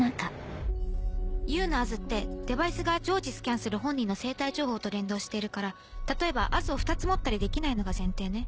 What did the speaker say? ＵのＡｓってデバイスが常時スキャンする本人の生体情報と連動しているから例えばＡｓを２つ持ったりできないのが前提ね。